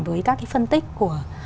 với các cái phân tích của